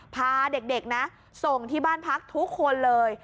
พาเด็กนะส่งที่บ้านพักทุกคนเลย